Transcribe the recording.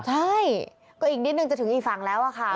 ใช่ก็อีกนิดนึงจะถึงอีกฝั่งแล้วอะค่ะ